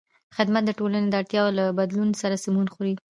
خدمت د ټولنې د اړتیاوو له بدلون سره سمون خوري.